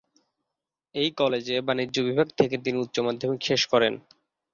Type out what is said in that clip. একই কলেজে বাণিজ্য বিভাগ থেকে তিনি উচ্চ-মাধ্যমিক শেষ করেন।